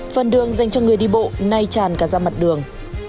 phần đường dành cho người đi bộ nay tràn cả ra mặt đường